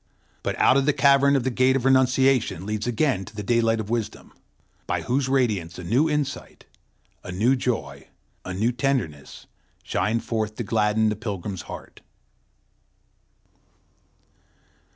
But out of the cavern the Gate of Renunciation leads again to the daylight of wisdom, by whose radiance a new insight, a new joy, a new tenderness, shine forth to gladden the pilgrim's heart.